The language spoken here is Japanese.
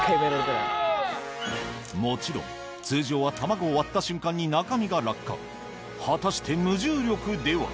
もちろん通常は卵を割った瞬間に中身が落下果たして無重力では？